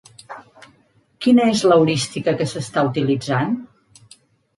Quina és l'heurística que s'està utilitzant?